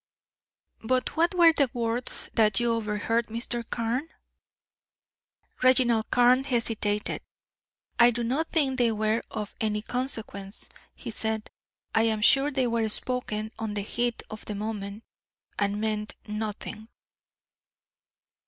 "But what were the words that you overheard, Mr. Carne?" Reginald Carne hesitated. "I do not think they were of any consequence" he said. "I am sure they were spoken on the heat of the moment, and meant nothing."